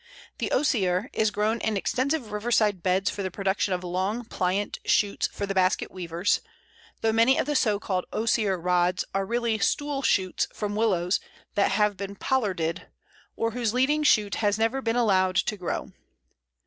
The Osier is grown in extensive riverside beds for the production of long pliant shoots for the basket weavers; though many of the so called Osier rods are really stool shoots from Willows that have been pollarded, or whose leading shoot has never been allowed to grow.